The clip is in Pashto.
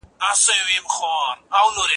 هغه وويل چي امادګي مهم دی.